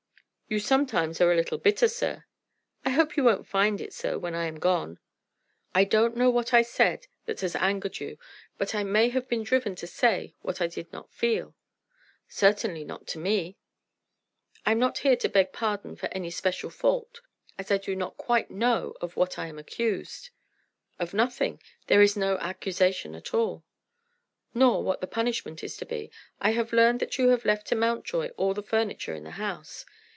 "You sometimes are a little bitter, sir." "I hope you won't find it so when I am gone." "I don't know what I said that has angered you, but I may have been driven to say what I did not feel." "Certainly not to me." "I'm not here to beg pardon for any special fault, as I do not quite know of what I am accused." "Of nothing. There is no accusation at all." "Nor what the punishment is to be. I have learned that you have left to Mountjoy all the furniture in the house."